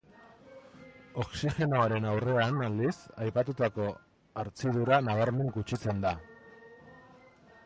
Oxigenoaren aurrean, aldiz, aipatutako hartzidura nabarmen gutxitzen da.